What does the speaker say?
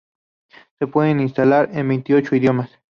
Se puede instalar en veintiocho idiomas.